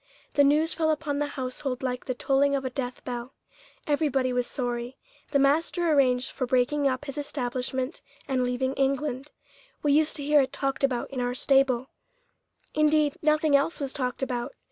The news fell upon the household like the tolling of a death bell. Everybody was sorry. The master arranged for breaking up his establishment and leaving England. We used to hear it talked about in our stable; indeed, nothing else was talked about.